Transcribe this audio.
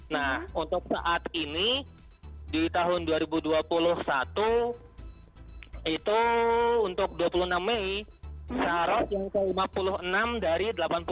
nah untuk saat ini di tahun dua ribu dua puluh satu itu untuk dua puluh enam mei seharusnya ke lima puluh enam dari delapan puluh dua